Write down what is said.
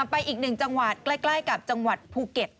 ไปอีกหนึ่งจังหวัดใกล้กับจังหวัดภูเก็ต